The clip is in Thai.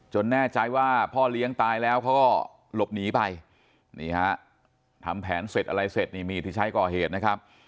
แน่ใจว่าพ่อเลี้ยงตายแล้วเขาก็หลบหนีไปนี่ฮะทำแผนเสร็จอะไรเสร็จนี่มีดที่ใช้ก่อเหตุนะครับ